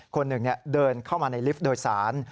คนหนึ่งเดินเข้ามาในลิฟต์โดยสาร